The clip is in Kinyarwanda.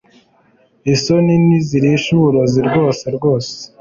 isoni zirisha uburozi rwose rwose